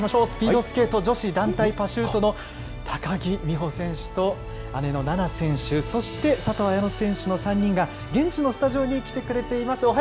スピードスケート女子団体パシュートの高木美帆選手と姉の菜那選手、そして佐藤綾乃選手の３人が、現地のスタジオに来てくれています。